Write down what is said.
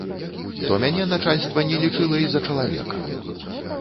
То мяне начальства не лічыла і за чалавека.